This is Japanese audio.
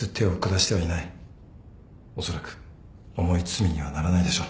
おそらく重い罪にはならないでしょ。